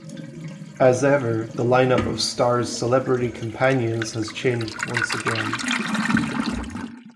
As ever, the line-up of Starr's celebrity companions has changed once again.